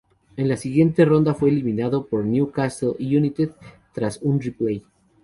En la siguiente ronda fue eliminado por el Newcastle United tras un "replay".